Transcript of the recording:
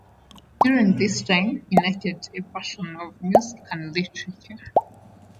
During this time, he nurtured a passion for music and literature.